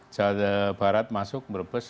jawa barat masuk mrebes